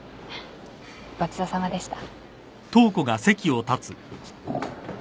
ごちそうさまでした。